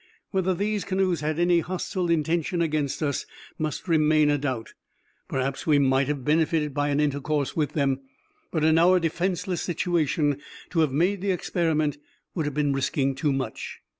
Whether these canoes had any hostile intention against us must remain a doubt: perhaps we might have benefited by an intercourse with them; but, in our defenceless situation, to have made the experiment would have been risking too much.